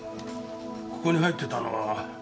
ここに入ってたのは。